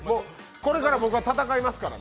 これから僕は戦いますからね。